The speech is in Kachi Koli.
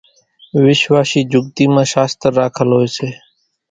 وِشواشِي جھُڳتِي مان شاستر راکل هوئيَ سي۔